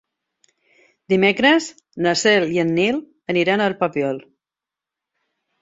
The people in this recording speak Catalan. Dimecres na Cel i en Nil aniran al Papiol.